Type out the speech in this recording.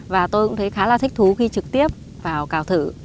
và tôi cũng thấy khá là thích thú khi trực tiếp vào cào thử